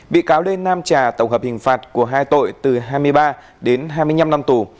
bị cáo lê nam trà tổng hợp hình phạt của hai tội từ hai mươi ba đến hai mươi năm năm tù